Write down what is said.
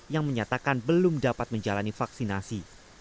yang menyatakan belum dapat menjalani vaksinasi